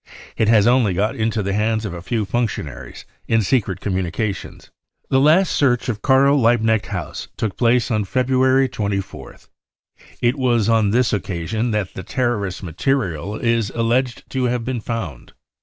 It has only got into the hands of a few func tionaries in secret communications." The las* search of Karl Liebknecht House took place on | February 24th. It was on this occasion that the terrorist material is alleged to have been found.